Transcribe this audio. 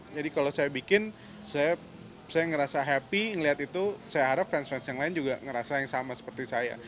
kalau saya bikin saya ngerasa happy ngelihat itu saya harap fans fans yang lain juga ngerasa yang sama seperti saya